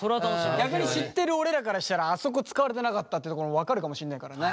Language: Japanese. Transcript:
逆に知ってる俺らからしたらあそこ使われてなかったってところ分かるかもしんないからね。